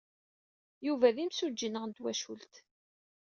Yuba d imsujji-nneɣ n twacult.